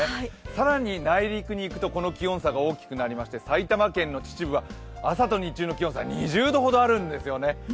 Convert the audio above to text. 更に内陸に行くとこの気温差が大きくなりまして埼玉県の秩父は朝と日中の気温差２０度ほどあるんですよね。